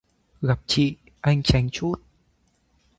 Gặp chị, anh tránh trút